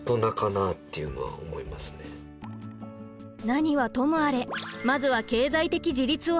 何はともあれまずは経済的自立を果たす。